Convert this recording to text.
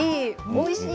おいしい。